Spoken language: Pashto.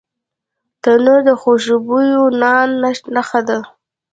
تنور د خوشبو نان نښه ده